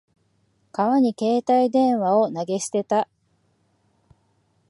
川に携帯電話を投げ捨てた。